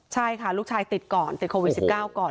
ใช่ค่ะลูกชายติดก่อนติดโควิด๑๙ก่อน